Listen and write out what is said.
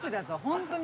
本当に。